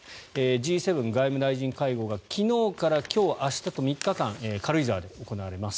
Ｇ７外務大臣会合が昨日から今日、明日と３日間軽井沢で行われます。